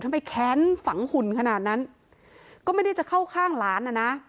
แค้นฝังหุ่นขนาดนั้นก็ไม่ได้จะเข้าข้างหลานนะนะ